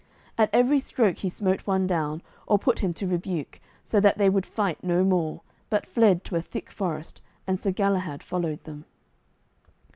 At every stroke he smote one down, or put him to rebuke, so that they would fight no more, but fled to a thick forest, and Sir Galahad followed them.